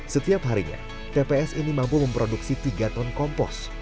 setiap harinya tps ini mampu memproduksi tiga ton kompos